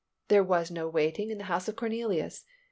There was no waiting in the household of Cornelius.